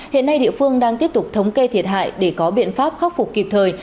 hiện nay địa phương đang tiếp tục thống kê thiệt hại để có biện pháp khắc phục kịp thời